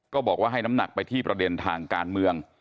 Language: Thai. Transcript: ก็บอกว่าให้น้ำหนักไปที่ประเด็นทางการเมือง